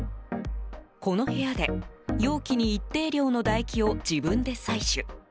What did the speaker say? この部屋で、容器に一定量の唾液を自分で採取。